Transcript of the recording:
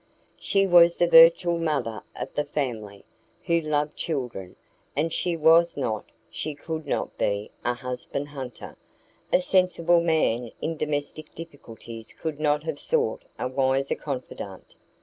She was the virtual mother of the family, who loved children, and she was not she could not be a husband hunter; a sensible man in domestic difficulties could not have sought a wiser confidante.